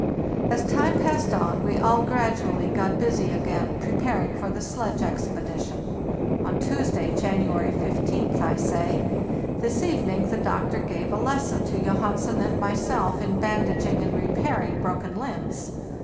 As time passed on we all gradually got busy again preparing for the sledge expedition. On Tuesday, January 15th, I say: " This evening the doctor gave a lesson to Johansen and myself in bandaging and repairing broken limbs.